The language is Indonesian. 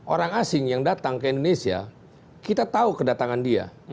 orang asing yang datang ke indonesia kita tahu kedatangan dia